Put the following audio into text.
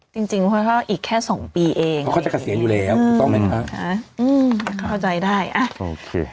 จริงจริงเพราะเขาอีกแค่สองปีเองเขาจะเกษียณอยู่แล้วอืมอืมเข้าใจได้อ่ะโอเค